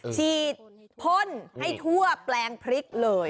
ฉีดพ่นให้ทั่วแปลงพริกเลย